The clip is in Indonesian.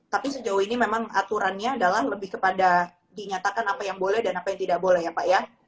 tapi sejauh ini memang aturannya adalah lebih kepada dinyatakan apa yang boleh dan apa yang tidak boleh ya pak ya